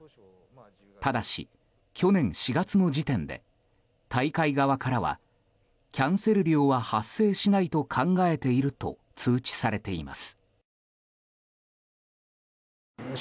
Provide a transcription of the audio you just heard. ただし、去年４月の時点で大会側からはキャンセル料は発生しないと考えていると通知されています。